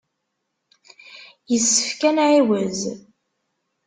Yessefk ad nɛiwez.